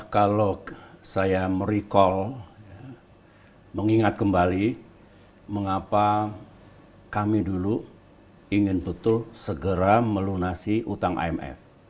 kalau saya merecall mengingat kembali mengapa kami dulu ingin betul segera melunasi utang imf